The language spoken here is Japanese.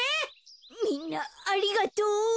みんなありがとう。